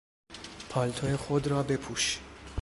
پالتو خود را بپوش!